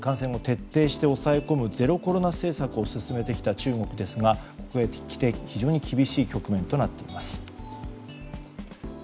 感染を徹底して抑え込むゼロコロナ政策を進めてきた中国ですがここにきて非常に厳しい局面となっています。